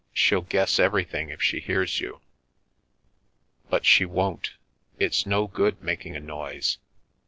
She'll guess every thing if she hears you. But she won't. It's no good making a noise.